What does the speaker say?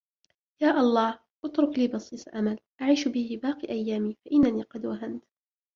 يا الله اترك لي بصيص أمل أعيش به باقي أيامي فإنني قد وهنت